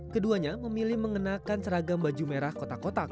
keduanya memilih mengenakan seragam baju merah kotak kotak